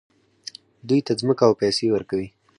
دوی ته ځمکه او پیسې ورکوي.